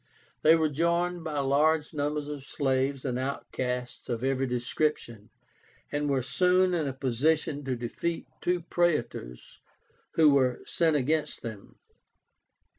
They were joined by large numbers of slaves and outcasts of every description, and were soon in a position to defeat two Praetors who were sent against them.